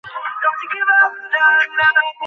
তাকে সামনে হাজির কর।